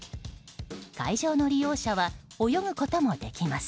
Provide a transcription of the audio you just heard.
会場の利用者は泳ぐこともできます。